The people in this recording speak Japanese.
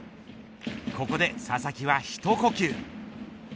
ここで佐々木は一呼吸。